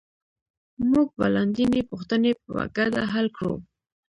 موږ به لاندینۍ پوښتنې په ګډه حل کړو